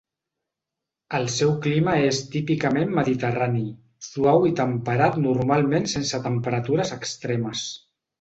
El seu clima és típicament mediterrani, suau i temperat normalment sense temperatures extremes.